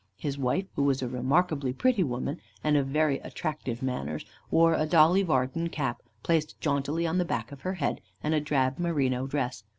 His wife, who was a remarkably pretty woman, and of very attractive manners, wore a 'Dolly Varden' cap, placed jauntily on the back of her head, and a drab merino dress.